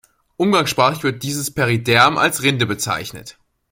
Umgangssprachlich wird dieses Periderm als Rinde bezeichnet.